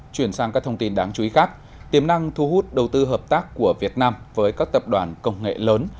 chuyển sang các thông tin đáng chú ý khác tiềm năng thu hút đầu tư hợp tác của việt nam với các tập đoàn công nghệ lớn